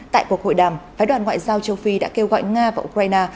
tại cuộc hội đàm phái đoàn ngoại giao châu phi đã kêu gọi nga và ukraine